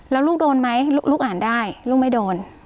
แล้วลูกโดนไหมลูกอ่านได้ลูกไม่โดน